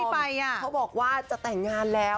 เขาบอกว่าจะแต่งงานแล้ว